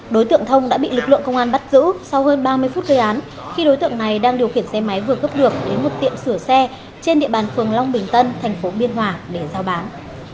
đối tượng thông đã bị lực lượng công an bắt giữ sau hơn ba mươi phút gây án khi đối tượng này đang điều khiển xe máy vừa cướp được đến một tiệm sửa xe trên địa bàn phường long bình tân thành phố biên hòa để giao bán